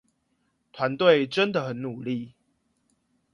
團隊真的很努力